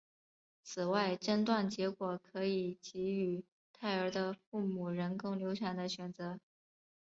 此外诊断结果可以给予胎儿的父母人工流产的选择。